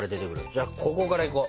じゃここからいこう。